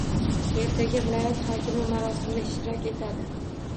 Ertaga viloyat hokimi marosimda ishtirok etadi.